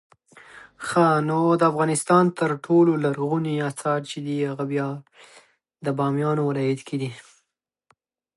ازادي راډیو د د کار بازار په اړه د اقتصادي اغېزو ارزونه کړې.